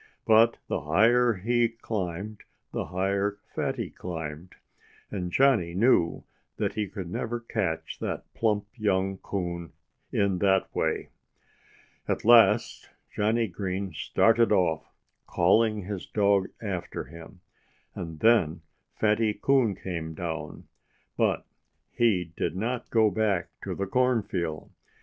But the higher he climbed, the higher Fatty climbed. And Johnnie knew that he could never catch that plump young coon in that way. At last Johnnie Green started off, calling his dog after him. And then Fatty Coon came down. But he did not go back to the cornfield.